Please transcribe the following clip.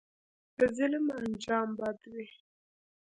د ظلم انجام بد وي